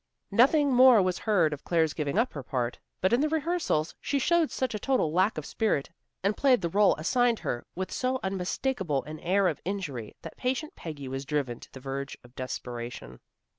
Nothing more was heard of Claire's giving up her part, but in the rehearsals she showed such a total lack of spirit, and played the rôle assigned her with so unmistakable an air of injury, that patient Peggy was driven to the verge of desperation.